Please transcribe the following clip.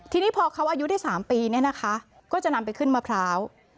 ทีนี้พอเขาอายุได้๓ปีเนี่ยนะคะก็จะนำไปขึ้นมะพร้าว